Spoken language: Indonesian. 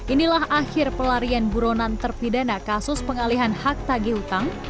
inilah akhir pelarian burunan terpidana kasus pengalihan hak tagih utang